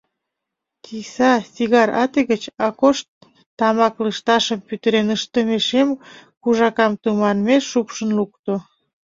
«Тиса» сигар ате гыч Акош тамак лышташым пӱтырен ыштыме шем кужакам тыманмеш шупшын лукто.